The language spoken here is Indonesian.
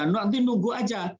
nanti nunggu aja